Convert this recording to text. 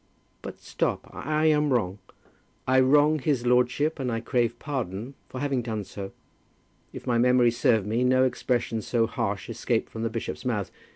But stop. I am wrong. I wrong his lordship, and I crave pardon for having done so. If my memory serve me, no expression so harsh escaped from the bishop's mouth.